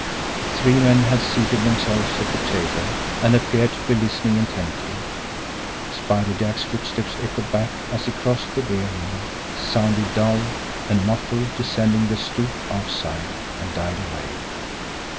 The three men had seated themselves at the table, and appeared to be listening intently. Spider Jack's footsteps echoed back as he crossed the rear room, sounded dull and muffled descending the stoop outside, and died away.